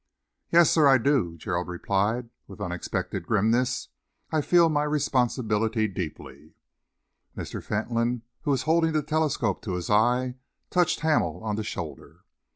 "Yes, sir, I do!" Gerald replied, with unexpected grimness. "I feel my responsibility deeply." Mr. Fentolin, who was holding the telescope to his eye, touched Hamel on the shoulder.